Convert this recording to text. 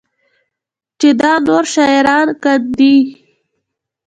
چې دا نور شاعران کاندي